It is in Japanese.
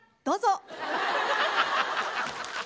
どうぞ。